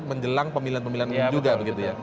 menjelang pemilihan pemilihan umum juga begitu ya